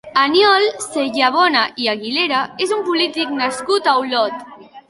Aniol Sellabona i Aguilera és un polític nascut a Olot.